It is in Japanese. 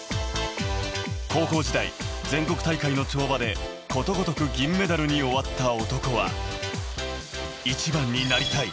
高校時代、全国大会の跳馬でことごとく銀メダルに終わった男は、「１番になりたい」。